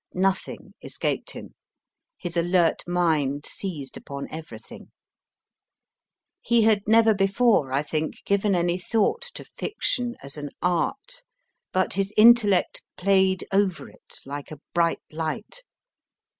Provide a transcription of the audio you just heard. Nothing escaped him. His alert mind seized upon everything. He had never before, I think, F DAXTE GABRIEL ROSSETTI 66 MY FIRST BOOK given any thought to fiction as an art, but his intellect played over it like a bright light.